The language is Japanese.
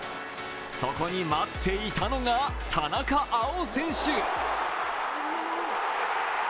そこに待っていたのが、田中碧選手。